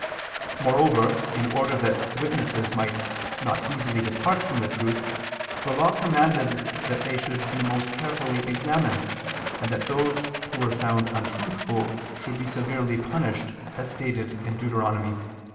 Moreover, in order that witnesses might not easily depart from the truth, the Law commanded that they should be most carefully examined, and that those who were found untruthful should be severely punished, as stated in Deut.